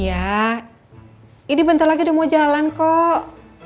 ya ini bentar lagi udah mau jalan kok